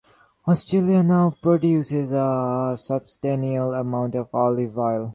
Australia now produces a substantial amount of olive oil.